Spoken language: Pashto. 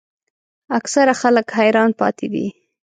اکثره خلک حیران پاتې دي.